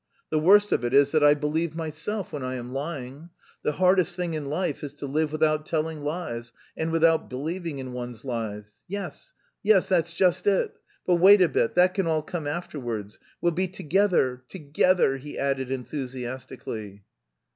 The worst of it is that I believe myself when I am lying. The hardest thing in life is to live without telling lies... and without believing in one's lies. Yes, yes, that's just it.... But wait a bit, that can all come afterwards.... We'll be together, together," he added enthusiastically.